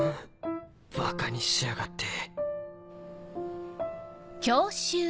バカにしやがって。